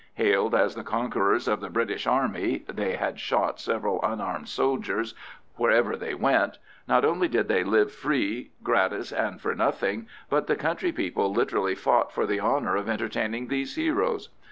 Hailed as the conquerors of the British Army (they had shot several unarmed soldiers) wherever they went, not only did they live free, gratis, and for nothing, but the country people literally fought for the honour of entertaining these heroes.